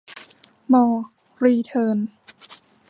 มอร์ รีเทิร์น